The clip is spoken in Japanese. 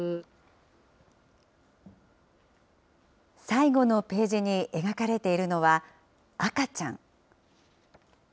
最後のページに描かれているのは、あかちゃん。